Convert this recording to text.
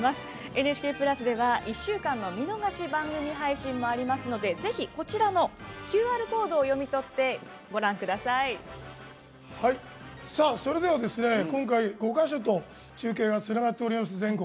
ＮＨＫプラスでは１週間の見逃し配信もあるのでぜひ、ＱＲコードを読み取ってそれでは今回５か所と中継がつながっています。